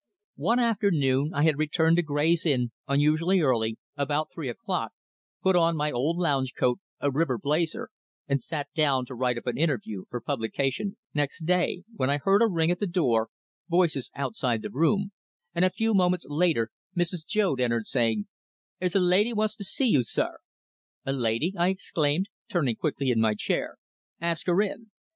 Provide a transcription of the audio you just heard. One afternoon I had returned to Gray's Inn unusually early, about three o'clock, put on my old lounge coat, a river "blazer," and sat down to write up an interview for publication next day, when I heard a ring at the door, voices outside the room, and a few moments later Mrs. Joad entered, saying "'Ere's a lady wants to see you, sir." "A lady?" I exclaimed, turning quickly in my chair. "Ask her in."